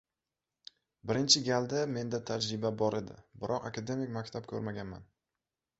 Birinchi galda, menda tajriba bor edi, biroq akademik maktab ko‘rmaganman